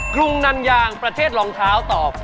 พร้อมประเทศรองเท้าตอบ